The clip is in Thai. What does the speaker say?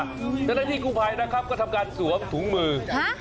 เจ้าหน้าที่กู้ภัยนะครับก็ทำการสวมถุงมือ